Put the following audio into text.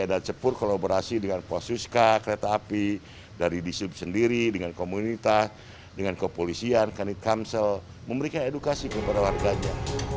dan cepur kolaborasi dengan posuska kereta api dari disub sendiri dengan komunitas dengan kopolisian kandid kamsel memberikan edukasi kepada warganya